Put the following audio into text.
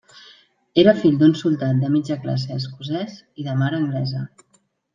Era fill d'un soldat de mitja classe escocès i de mare anglesa.